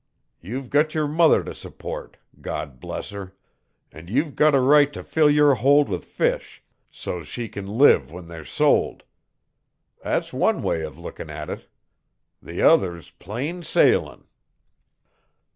You've got yer mother to support, God bless her! An' you've got a right to fill yer hold with fish so's she can live when they're sold. That's one way of lookin' at it; the other's plain sailin'!"